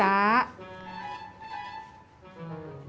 waalaikumsalam bu ita